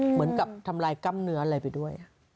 เหมือนกับทำลายกล้ามเนื้ออะไรไปด้วย